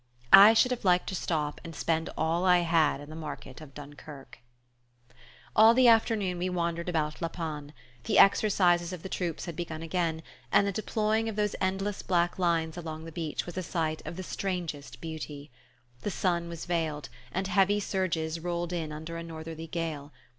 I should have liked to stop and spend all I had in the market of Dunkerque... All the afternoon we wandered about La Panne. The exercises of the troops had begun again, and the deploying of those endless black lines along the beach was a sight of the strangest beauty. The sun was veiled, and heavy surges rolled in under a northerly gale.